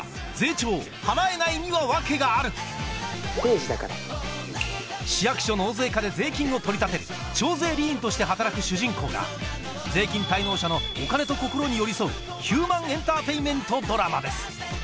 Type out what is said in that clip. いよいよ市役所納税課で税金を取り立てる徴税吏員として働く主人公が税金滞納者のお金と心に寄り添うヒューマンエンターテインメントドラマです